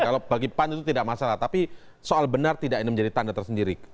kalau bagi pan itu tidak masalah tapi soal benar tidak ini menjadi tanda tersendiri